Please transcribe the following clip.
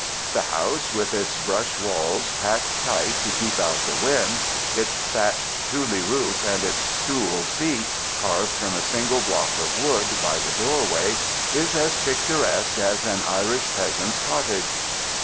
The house, with its brush walls packed tight to keep out the wind, its thatched tule roof, and its stool seat, carved from a single block of wood, by the doorway, is as picturesque as an Irish peasant's cottage.